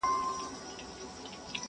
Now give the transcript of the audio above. o ړوند خپله همسا يو وار ورکوي!